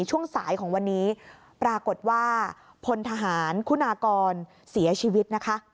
ช่วงสายของวันนี้ปรากฏว่าพลทหารคุณากรเสียชีวิตนะคะ